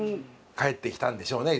帰ってきたんでしょうね。